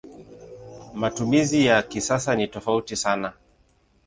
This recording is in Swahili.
Matumizi ya kisasa ni tofauti sana.